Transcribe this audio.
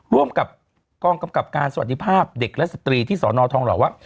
ร่วมกับกองกำกับการสวัสดีภาพเด็กและสตรีที่สอนอทองหล่อว่า